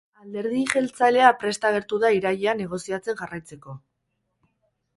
Alderdi jeltzalea prest agertu da irailean negoziatzen jarraitzeko.